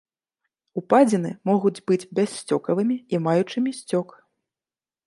Упадзіны могуць быць бяссцёкавымі і маючымі сцёк.